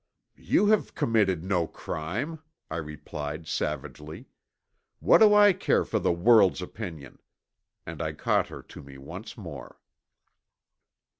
"You have committed no crime," I replied savagely. "What do I care for the world's opinion!" And I caught her to me once more.